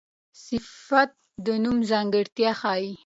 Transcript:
صفت د نوم ځانګړتیا ښيي.